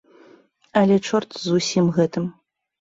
Але чорт з усім гэтым.